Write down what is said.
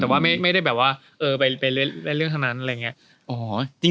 แต่ว่าไม่ได้แบบว่าไปเล่นเรื่องทั้งนั้นอะไรอย่างนี้